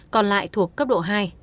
còn lại thuộc cấp độ hai